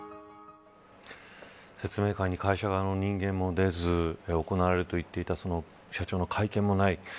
説明会に会社側の人間も出ず行われると言っていた社長の会見もない。